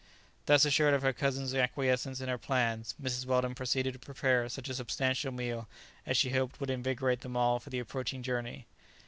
Thus assured of her cousin's acquiescence in her plans; Mrs. Weldon proceeded to prepare such a substantial meal as she hoped would invigorate them all for the approaching journey.